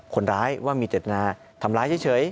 คนร้ายว่ามีเจตนาทำร้ายเฉย